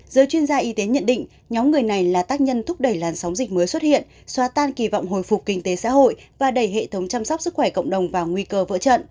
giới chuyên gia y tế nhận định nhóm người này là tác nhân thúc đẩy làn sóng dịch mới xuất hiện xóa tan kỳ vọng hồi phục kinh tế xã hội và đẩy hệ thống chăm sóc sức khỏe cộng đồng vào nguy cơ vỡ trận